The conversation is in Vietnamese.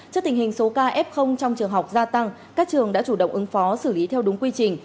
trước tình hình số ca f trong trường học gia tăng các trường đã chủ động ứng phó xử lý theo đúng quy trình